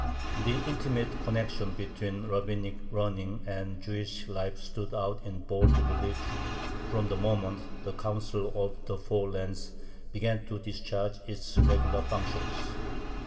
The intimate connection between rabbinic learning and Jewish life stood out in bold relief from the moment the "Council of the Four Lands" began to discharge its regular functions.